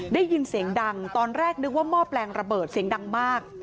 ได้ยินเสียงดังตอนแรกนึกว่าหม้อแปลงระเบิดเสียงดังมาก